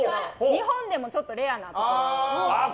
日本でもちょっとレアなところ。